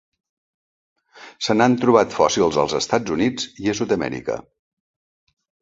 Se n'han trobat fòssils als Estats Units i Sud-amèrica.